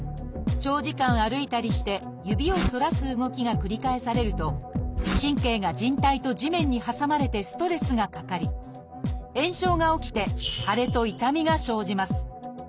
長時間歩いたりして指を反らす動きが繰り返されると神経がじん帯と地面に挟まれてストレスがかかり炎症が起きて腫れと痛みが生じます。